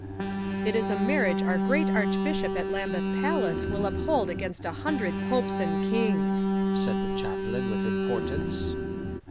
"It is a marriage our great Archbishop at Lambeth Palace will uphold against a hundred popes and kings," said the chaplain with importance.